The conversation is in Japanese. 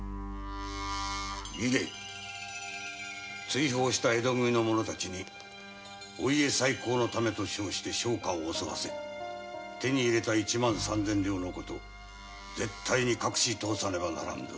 追放した江戸組の者たちにお家再興のためと称して商家を襲わせ手に入れた一万三千両の事絶対に隠しとおさねばならぬぞ。